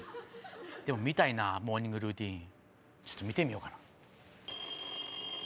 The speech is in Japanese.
でも見たいなモーニングルーティンちょっと見てみようかな。